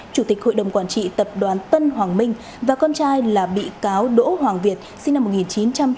chủ tịch hội đồng quản trị tập đoàn tân hoàng minh và con trai là bị cáo đỗ hoàng việt sinh năm một nghìn chín trăm tám mươi